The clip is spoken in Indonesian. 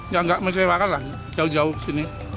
ya gak mengecewakan lah jauh jauh sini